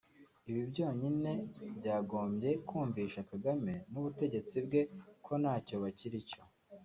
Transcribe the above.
Ibi byonyine byagombye kwumvisha Kagame n’ubutegetsi bwe ko ntacyo bakiri cyo